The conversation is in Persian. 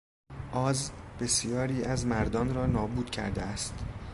آز بسیاری از مردان را نابود کرده است.